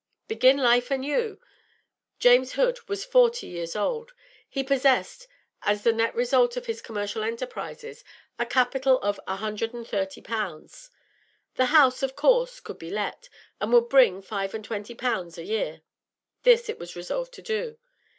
Begin life anew! James Hood was forty years old; he possessed, as the net result of his commercial enterprises, a capital of a hundred and thirty pounds. The house, of course, could be let, and would bring five and twenty pounds a year. This it was resolved to do.